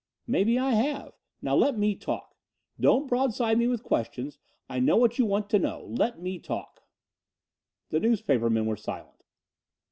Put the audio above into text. "Maybe I have. Now let me talk. Don't broadside me with questions. I know what you want to know. Let me talk." The newspapermen were silent.